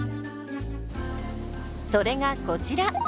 それがこちら。